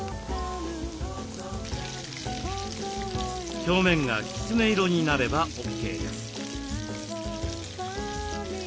表面がきつね色になればＯＫです。